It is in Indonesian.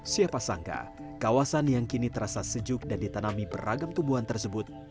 siapa sangka kawasan yang kini terasa sejuk dan ditanami beragam tumbuhan tersebut